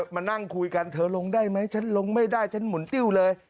มานั่งคุยกันเธอลงได้ไหมฉันลงไม่ได้ฉันหมุนติ้วเลย